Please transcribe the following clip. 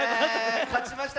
かちました。